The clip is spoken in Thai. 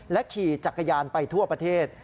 ขี่จักรยานไปทั่วประเทศ